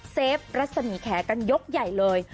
เฟฟรัศมีแขกันยกใหญ่เลย